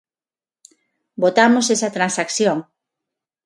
Votamos esa transacción.